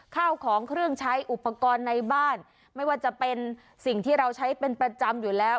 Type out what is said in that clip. ข้าวของเครื่องใช้อุปกรณ์ในบ้านไม่ว่าจะเป็นสิ่งที่เราใช้เป็นประจำอยู่แล้ว